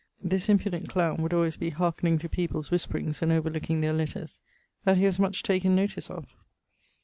this impudent clowne would alwayes be hearkning to people's whisperings and overlooking their letters, that he was much taken notice of.